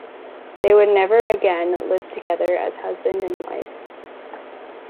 They would never again live together as husband and wife.